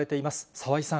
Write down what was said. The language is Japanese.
澤井さん。